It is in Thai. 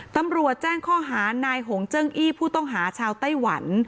ตำรวจแจ้งข้อหานายหงเจิ้งอี้ผู้ต้องหาชาวไต้หวัน